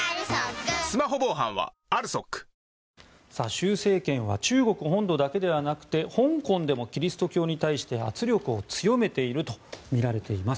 習政権は中国本土だけではなくて香港でもキリスト教に対して圧力を強めているとみられています。